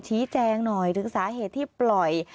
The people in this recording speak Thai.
ชี้แจงหน่อยถึงสาเหตุที่ปล่อย